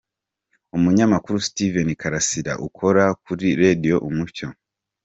Umunyamakuru Steven Karasira ukora kuri Radio Umucyo.